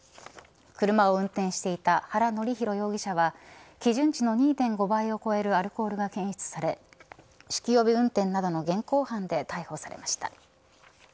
車を運転していた原紀弘容疑者は基準値の２．５倍を超えるアルコールが検出され酒気帯び運転などの現行犯で逮捕されました。